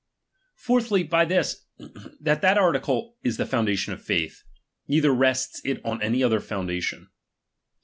Fourthly, by this, that that article is the foun ,. dation of faith ; neither rests it on any other foun dation.